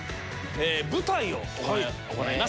舞台を行います。